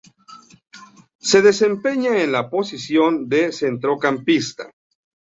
Se desempeñaba en la posición de centrocampista.